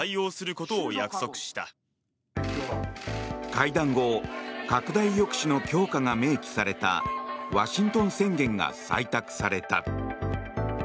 会談後拡大抑止の強化が明記されたワシントン宣言が採択された。